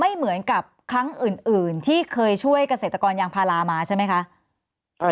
ไม่เหมือนกับครั้งอื่นที่เคยช่วยเกษตรกรยางพารามาใช่ไหมคะ